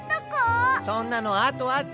そんなのあとあと！